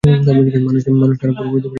মানুষকে আরও পূর্ব হইতে ধর্মভাব দিতে হইবে।